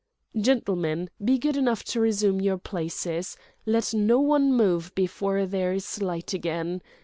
"Gentlemen! be good enough to resume your places—let no one move before there is light again.